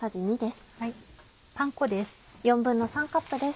パン粉です。